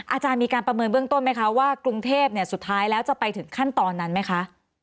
อาจารย์มีการประเมินเบื้องต้นไหมคะว่ากรุงเทพสุดท้ายแล้วจะไปถึงขั้นตอนนั้นไหมคะ